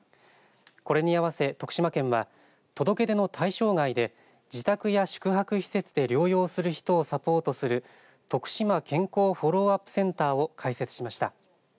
これにあわせ徳島県は届け出の対象外で自宅や宿泊施設で療養する人をサポートするとくしま健康フォローアップセンターを開設しました。